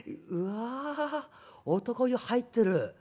うわ男湯入ってる。